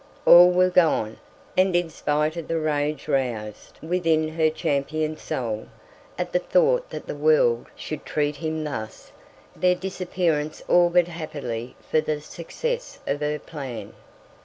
All were gone; and in spite of the rage roused within her championing soul at the thought that the world should treat him thus, their disappearance augured happily for the success of her plan.